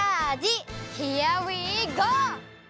ヒアウィーゴー！